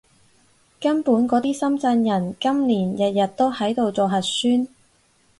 根本深圳嗰啲人，今年日日都喺度做核酸